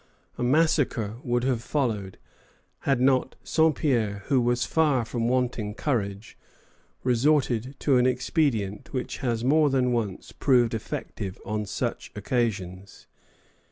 A massacre would have followed, had not Saint Pierre, who was far from wanting courage, resorted to an expedient which has more than once proved effective on such occasions.